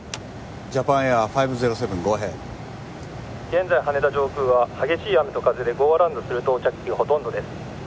「現在羽田上空は激しい雨と風でゴーアラウンドする到着機がほとんどです」